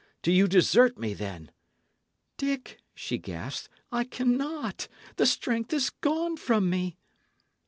Do you desert me, then?" "Dick," she gasped, "I cannot. The strength is gone from me."